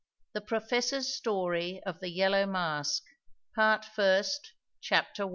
THE PROFESSOR'S STORY OF THE YELLOW MASK. PART FIRST. CHAPTER I.